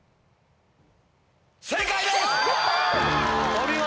お見事！